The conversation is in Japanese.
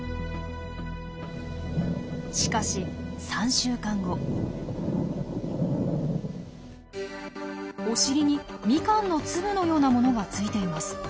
しかしお尻にミカンの粒のようなものがついています。